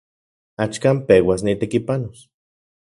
Axkan peuas nitekipanos.